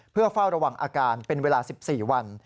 เพื่อเฝ้าระวังอาการเป็นเวลา๑๔วัน